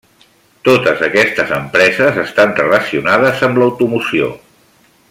Totes aquestes empreses estan relacionades amb l'automoció.